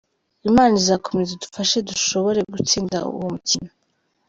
Imana izakomeza idufashe dushobore gutsinda uwo mukino.